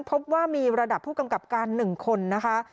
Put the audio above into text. พบว่ามีระดับผู้กำกับการ๑คนนะคะ